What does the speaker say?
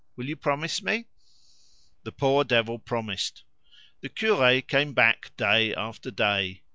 Will you promise me?" The poor devil promised. The cure came back day after day.